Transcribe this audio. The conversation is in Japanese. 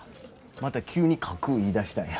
また急に書く言いだしたんや。